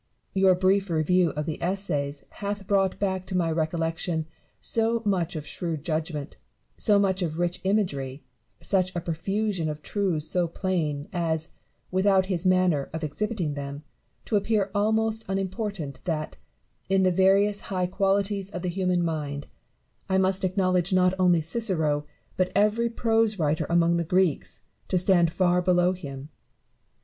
Your brief review of the Essays hath brought back to my recollection so much of shrewd judgment, so much of rich imagery, such a profusion of truths so plain, as (without his manner of exhibiting them) to appear almost unimportant that, in the various high qualities of the human mind, I must acknowledge not only Cicero, but every prose writer among the Greeks, to stand far below him.